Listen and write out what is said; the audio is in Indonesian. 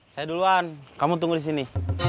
saya duluan kamu tunggu di sini